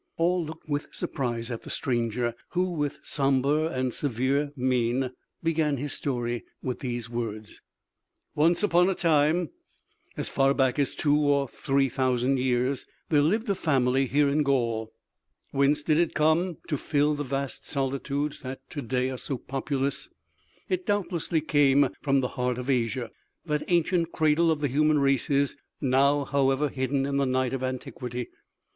All looked with surprise at the stranger, who with somber and severe mien began his story with these words: "Once upon a time, as far back as two or three thousand years, there lived a family here in Gaul. Whence did it come, to fill the vast solitudes that to day are so populous? It doubtlessly came from the heart of Asia, that ancient cradle of the human races, now, however, hidden in the night of antiquity.